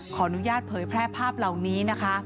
ขออนุญาตเผยแพร่ภาพเหล่านี้นะคะ